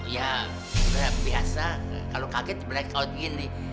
ya biasa kalau kaget black out gini